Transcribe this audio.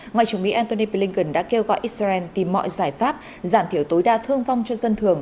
ngoại trưởng mỹ antony blinken đã kêu gọi israel tìm mọi giải pháp giảm thiểu tối đa thương vong cho dân thường